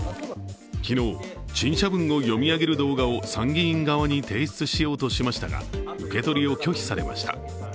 昨日、陳謝文を読み上げる動画を参議院側に提出しようとしましたが受け取りを拒否されました。